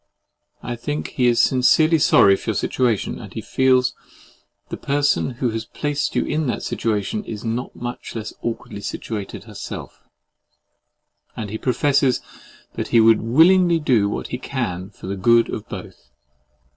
I think that he is sincerely sorry for your situation; and he feels that the person who has placed you in that situation is not much less awkwardly situated herself; and he professes that he would willingly do what he can for the good of both.